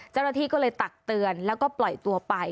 เจ้าหน้าที่ก็เลยตักเตือนแล้วก็ปล่อยตัวไป